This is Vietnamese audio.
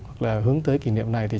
hoặc là hướng tới kỷ niệm này